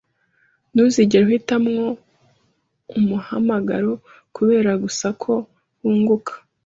Ntuzigere uhitamo umuhamagaro kubera gusa ko wunguka.